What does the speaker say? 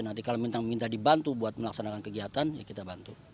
nanti kalau minta dibantu buat melaksanakan kegiatan ya kita bantu